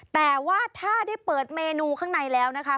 แต่ว่าถ้าได้เปิดเมนูข้างในแล้วนะคะ